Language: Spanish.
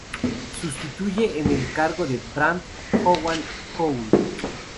Sustituye en el cargo a Bernard Hogan Howe.